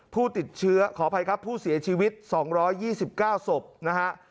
ผู้ติดเชื้อขออภัยครับผู้เสียชีวิต๒๒๙ศพนะฮะ